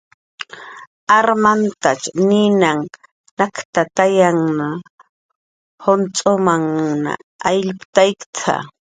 Armantach ninanh nakkatayanha, juncx'umanh umt'anushuntaki